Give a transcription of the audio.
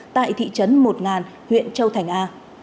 tại thị trấn một ngàn huyện châu thành a